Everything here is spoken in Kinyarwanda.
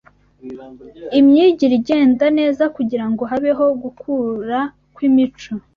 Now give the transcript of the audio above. imyigire igenda neza kugira ngo habeho gukura kw’imico